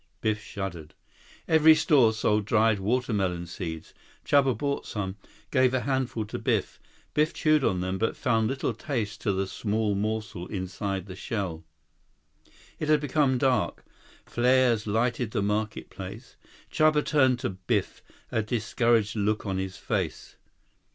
Biff shuddered. Every store sold dried watermelon seeds. Chuba bought some, gave a handful to Biff. Biff chewed on them, but found little taste to the small morsel inside the shell. It had become dark. Flares lighted the market place. Chuba turned to Biff, a discouraged look on his face.